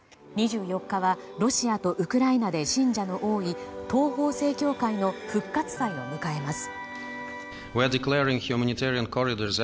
２４日はロシアとウクライナで信者の多い東方正教会の復活祭を迎えます。